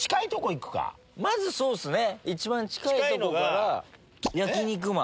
まずそうっすね一番近いとこから。